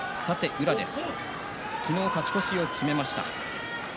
宇良は昨日勝ち越しを決めました。